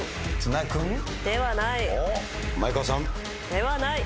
ではない。